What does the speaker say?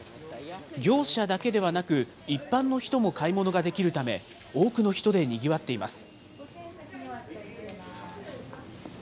業者だけではなく、一般の人も買い物ができるため、多くの人でにぎわっています。